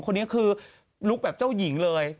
คนนี้คือลุคแบบเจ้าหญิงเลย